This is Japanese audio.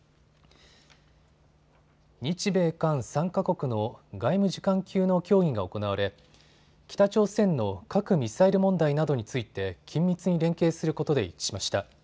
日米韓３か国の外務次官級の協議が行われ北朝鮮の核・ミサイル問題などについて緊密に連携することで一致しました。